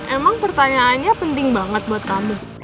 emang pertanyaannya penting banget buat kamu